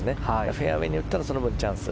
フェアウェーに打ったらその分チャンス。